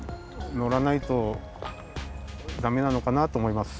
のらないとダメなのかなとおもいます。